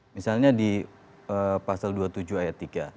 misalnya di pasal dua puluh tujuh ayat tiga